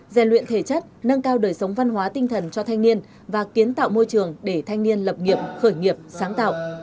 gian luyện thể chất nâng cao đời sống văn hóa tinh thần cho thanh niên và kiến tạo môi trường để thanh niên lập nghiệp khởi nghiệp sáng tạo